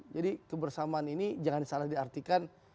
jadi kebersamaan ini jangan salah diartikan